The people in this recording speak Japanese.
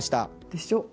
でしょ。